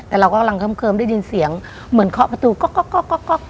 แต่เรากำลังเคิมได้ยินเสียงเหมือนเคาะประตูก๊อก